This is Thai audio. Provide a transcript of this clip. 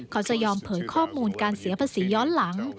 เขาจะยอมเผยข้อมูลการเสียภาษีย้อนหลัง